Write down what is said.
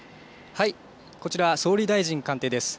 こちら、総理大臣官邸です。